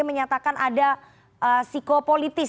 menyatakan ada psikopolitis